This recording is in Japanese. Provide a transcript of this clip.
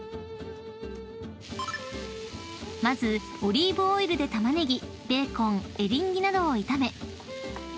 ［まずオリーブオイルで玉ねぎベーコンエリンギなどを炒め］